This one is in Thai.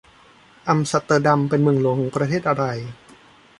อัมสเตอร์ดัมเป็นเมืองหลวงของประเทศอะไร